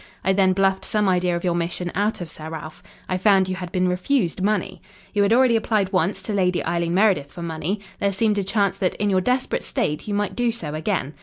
I then bluffed some idea of your mission out of Sir Ralph. I found you had been refused money. "You had already applied once to Lady Eileen Meredith for money. There seemed a chance that, in your desperate state, you might do so again.